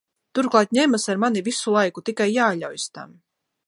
Turklāt ņemas ar mani visu laiku, tikai jāļaujas tam.